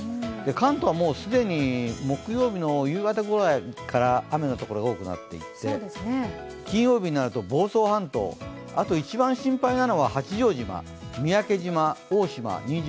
関東は既に木曜日の夕方くらいから雨の所が多くなって金曜日になると房総半島、一番心配なのは八丈島、三宅島、大島、新島。